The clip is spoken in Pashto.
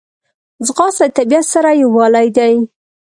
ځغاسته د طبیعت سره یووالی دی